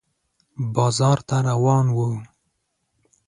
بازار ته روان و